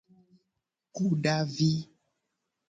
Kudavi.